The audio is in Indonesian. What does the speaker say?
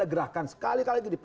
atau huruf d